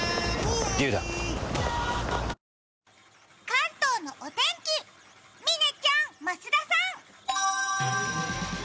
関東のお天気、嶺ちゃん、増田さん！